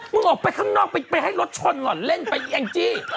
มึงออกไปข้างนอกไปให้รถชนเหรอเล่นไปอีแอ่งจี้